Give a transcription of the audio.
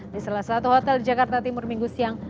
di salah satu hotel di jakarta timur minggu siang